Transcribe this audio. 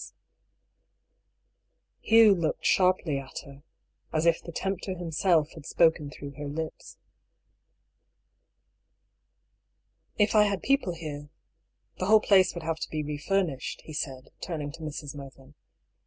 A DISAPPOINTMENT. 189 Hugh looked sharply at her — as if the tempter him self had spoken through her lips. " If I had people here — the whole place would have to be refurnished," he said, turning to Mrs. Mervyn.